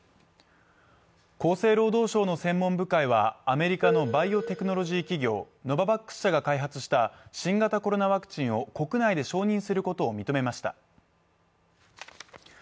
アメリカのバイオテクノロジー企業ノババックス社が開発した新型コロナワクチンを国内で承認することを認めました。